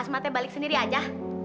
asmatnya balik sendiri aja